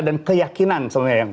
dan keyakinan sebenarnya ya